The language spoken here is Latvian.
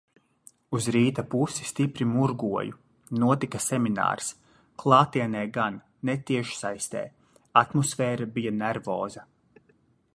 Uz rīta pusi stipri murgoju. Notika seminārs. Klātienē gan, ne tiešsaistē. Atmosfēra bija nervoza.